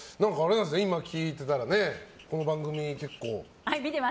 今聞いてたらこの番組、結構。